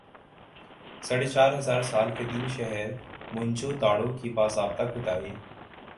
ساڑھے چار ہزار سال قدیم شہر موئن جو دڑو کی باضابطہ کھُدائی